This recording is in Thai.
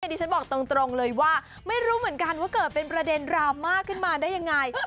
ดิฉันบอกตรงเลยว่าไม่รู้เหมือนกันว่าเกิดเป็นประเด็นดราม่าขึ้นมาได้ยังไง